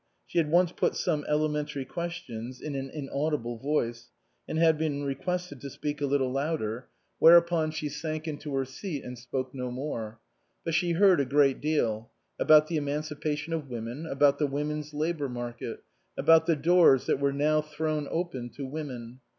She had once put some ele mentary questions in an inaudible voice, and had been requested to speak a little louder, 222 INAUGURAL ADDRESSES whereupon she sank into her seat and spoke no more. But she heard a great deal. About the emancipation of women ; about the women's labour market ; about the doors that were now thrown open to women.